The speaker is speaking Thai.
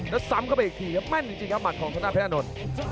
แล้วซ้ำเข้าไปอีกทีแม่นจริงครับหมัดของชนะแพทยานนท์